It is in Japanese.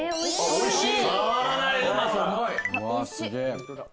おいしい。